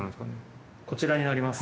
こちらになります。